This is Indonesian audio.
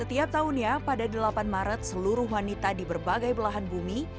insight kepala pertama